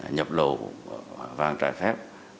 nhập lầu vàng trải phép